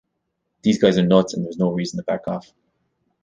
These guys are nuts and there's no reason to back off.